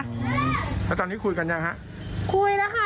แล้วตอนนี้คุยกันยังฮะคุยแล้วค่ะ